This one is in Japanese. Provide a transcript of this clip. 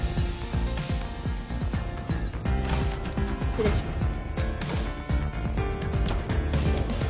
失礼します。